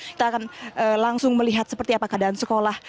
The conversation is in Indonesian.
kita akan langsung melihat seperti apa keadaan sekolah